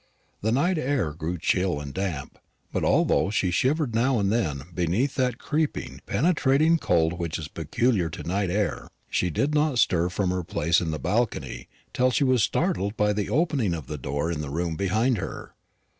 The night air grew chill and damp; but although she shivered now and then beneath that creeping, penetrating cold which is peculiar to night air, she did not stir from her place in the balcony till she was startled by the opening of the door in the room behind her.